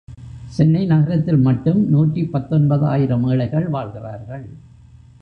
சென்னை நகரத்தில் மட்டும் நூற்றி பத்தொன்பது ஆயிரம் ஏழைகள் வாழ்கிறார்கள்.